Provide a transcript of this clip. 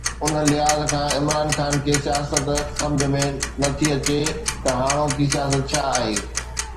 ان لحاظ کان عمران خان کي سياست سمجهه ۾ نه ٿي اچي ته هاڻوڪي سياست ڇا آهي؟